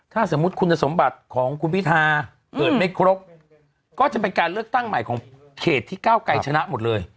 ถ้าสมมุติคุณสมบัติของคุณพิธาเกิดไม่ครบก็จะเป็นการเลือกตั้งใหม่ของเขตที่ก้าวไกรชนะหมดเลย